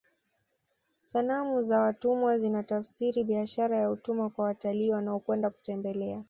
sanamu za watumwa zinatafsiri biashara ya utumwa kwa watalii wanaokwenda kutembelea